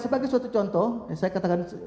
sebagai suatu contoh yang saya katakan